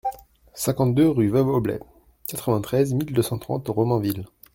cinquante-deux rue Veuve Aublet, quatre-vingt-treize mille deux cent trente Romainville